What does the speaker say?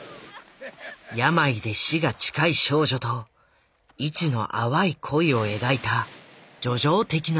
病で死が近い少女と市の淡い恋を描いた叙情的な作品。